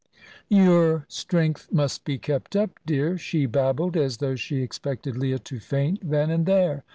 "Your strength must be kept up, dear," she babbled, as though she expected Leah to faint then and there.